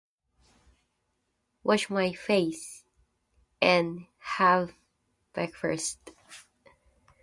Wash my face and have breakfast.